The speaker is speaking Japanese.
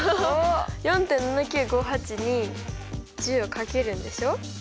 ４．７９５８に１０をかけるんでしょ。